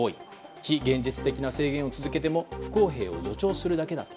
非現実的な制限を続けても不公平を助長するだけだと。